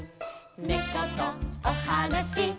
「ねことおはなしできる」